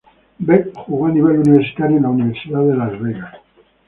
Beck jugó a nivel universitario en la Universidad de Las Vegas.